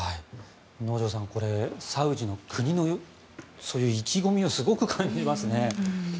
能條さん、これサウジの国の意気込みをすごく感じますね。